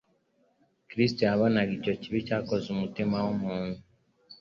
Kristo yabonaga icyo kibi cyakoze umutima w'umuntu;